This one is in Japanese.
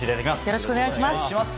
よろしくお願いします！